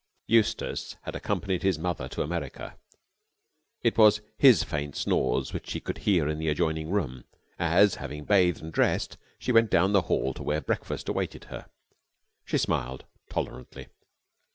Eustace had accompanied his mother to America. It was his faint snores which she could hear in the adjoining room, as, having bathed and dressed, she went down the hall to where breakfast awaited her. She smiled tolerantly.